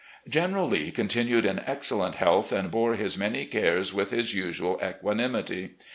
. General Lee continued in excellent health and bore his many cares with his usual equanimity.